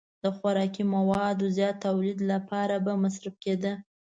د خوراکي موادو زیات تولید لپاره به مصرف کېده.